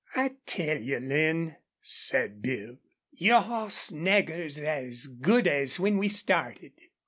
"I tell you, Lin," said Bill, "your hoss Nagger's as good as when we started."